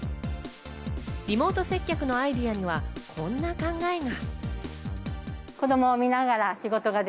リモート接客のアイデアには、こんな考えが。